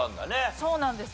そうなんです。